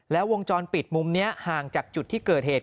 แล้ววงจรปิดมุมนี้ห่างจากจุดที่เกิดเหตุ